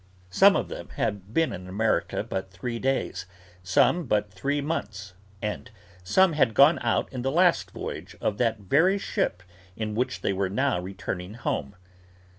Some of them had been in America but three days, some but three months, and some had gone out in the last voyage of that very ship in which they were now returning home.